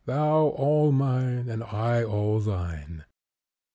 thou all mine, and I all thine."